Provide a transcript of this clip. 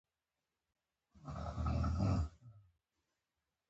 لمریزې تختې پاکې دي.